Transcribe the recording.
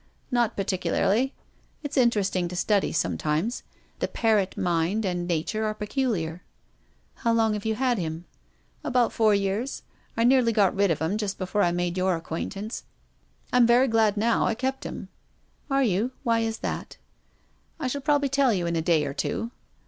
" Not particularly. It's interesting to study sometimes. The parrot mind and nature arc peculiar." " How long have you had him ?"" About four years. I nearly got rid of him just before I made your acquaintance. I'm very glad now I kept him." •' Are you ? Why is that?" " I shall probably tell you in a day or two."